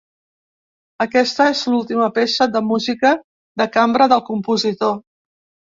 Aquesta és l'última peça de música de cambra del compositor.